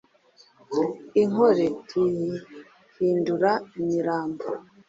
I Nkole tuyihindura imirambo :